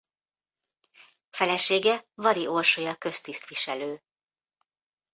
Felesége Vari Orsolya köztisztviselő.